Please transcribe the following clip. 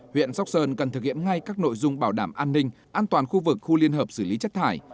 huyện sóc sơn cần thực hiện ngay các nội dung bảo đảm an ninh an toàn khu vực khu liên hợp xử lý chất thải